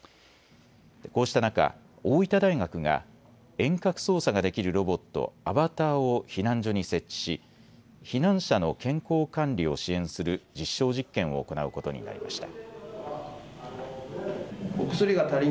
こうした中、大分大学が遠隔操作ができるロボット、アバターを避難所に設置し避難者の健康管理を支援する実証実験を行うことになりました。